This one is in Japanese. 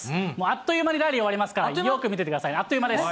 あっという間にラリー終わりますから、よく見ててください、あっという間です。